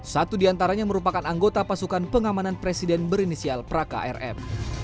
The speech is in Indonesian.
satu diantaranya merupakan anggota pasukan pengamanan presiden berinisial prakarm